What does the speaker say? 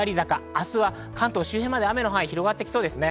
明日は関東周辺まで雨の範囲、広がってきそうです。